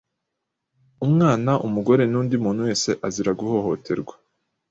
Umwana umugore n’undi muntu wese azira guhohoterwa